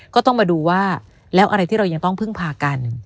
ก็ต้องมาดูว่าแล้วอะไรที่เรายังต้องพึ่งพากัน